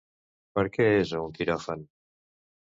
Per què és a un quiròfan?